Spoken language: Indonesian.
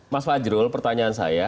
mas fajrul pertanyaan saya